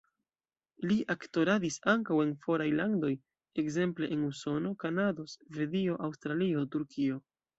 Li aktoradis ankaŭ en foraj landoj, ekzemple en Usono, Kanado, Svedio, Aŭstralio, Turkio.